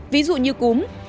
ví dụ như cúm